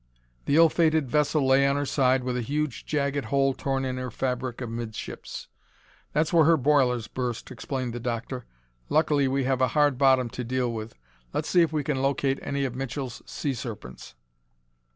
The ill fated vessel lay on her side with a huge jagged hole torn in her fabric amidships. "That's where her boilers burst," explained the Doctor. "Luckily we have a hard bottom to deal with. Let's see if we can locate any of Mitchell's sea serpents."